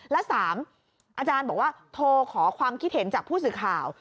และ๓อาจารย์บอกว่าโทรขอความคิดเห็นจากผู้สื่อข่าว